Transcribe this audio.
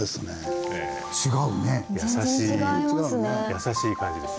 優しい感じです。